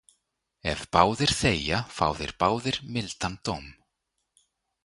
Ef báðir þegja fá þeir báðir mildan dóm.